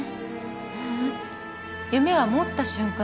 ううん夢は持った瞬間に